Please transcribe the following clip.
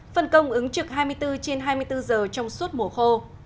phân công ứng trực hai mươi bốn trên hai mươi bốn giờ trong suốt mùa khô